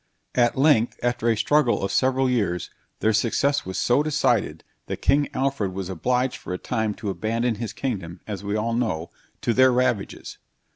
At length, after a struggle of several years, their success was so decided, that king Alfred was obliged for a time to abandon his kingdom, as we all know, to their ravages.